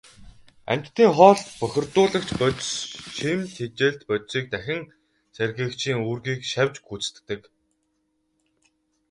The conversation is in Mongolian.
Амьтдын хоол, бохирдуулагч бодис, шим тэжээлт бодисыг дахин сэргээгчийн үүргийг шавж гүйцэтгэдэг.